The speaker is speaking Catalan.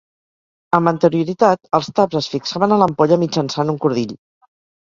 Amb anterioritat, els taps es fixaven a l'ampolla mitjançant un cordill.